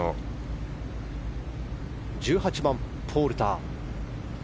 １８番、ポールター。